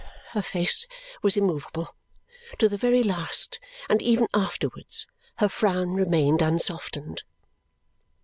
Her face was immovable. To the very last, and even afterwards, her frown remained unsoftened.